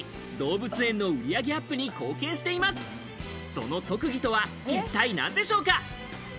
その特技とは一体何でしょうか？